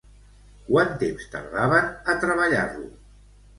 Quant temps tardaven a treballar-lo?